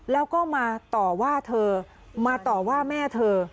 แล้วก็มาต่อว่าเธอมาต่อว่าแม่เธอ